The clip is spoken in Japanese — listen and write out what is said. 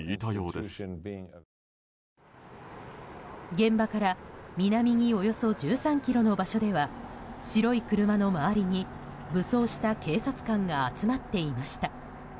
現場から南におよそ１３ｋｍの場所では白い車の周りに武装した警察官が集まっていました。